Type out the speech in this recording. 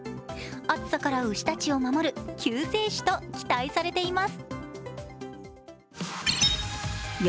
暑さから牛たちを守る救世主と期待されています。